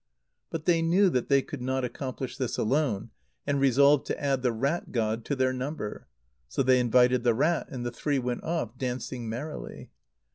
But they knew that they could not accomplish this alone, and resolved to add the rat[ god] to their number. So they invited the rat, and the three went off, dancing merrily.